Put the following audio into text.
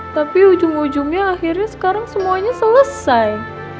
tapi ujung ujungnya akhirnya sekarang semuanya selesai